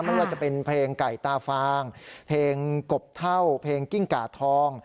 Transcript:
ไม่ว่าจะเป็นเพลงไก่ตาฟางเพลงกบเท่าเพลงกิ้งกาทอง